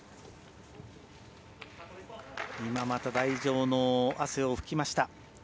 今、また台上の汗を拭きました。